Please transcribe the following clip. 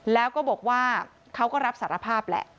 แล้วก็บอกว่าเขาก็รับสารภาพแหละ